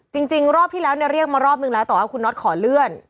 จริงรอบที่แล้วเนี่ยเรียกมารอบนึงแล้วแต่ว่าคุณน็อตขอเลื่อน